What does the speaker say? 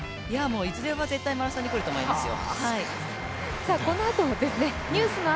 いずれは絶対マラソンにくると思いますよ。